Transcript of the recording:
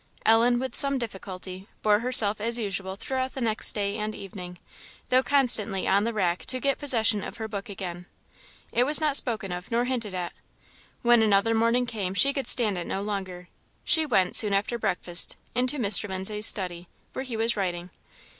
Ellen, with some difficulty, bore herself as usual throughout the next day and evening, though constantly on the rack to get possession of her book again. It was not spoken of nor hinted at. When another morning came she could stand it no longer; she went, soon after breakfast, into Mr. Lindsay's study, where he was writing.